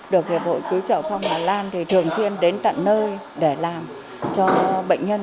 được hội cứu trợ phong hà lan thì thường xuyên đến tận nơi để làm cho bệnh nhân